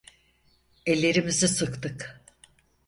Ellerimizi sıktık.